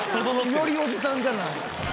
よりおじさんじゃない。